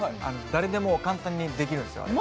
誰でも簡単にできるんですよあれ。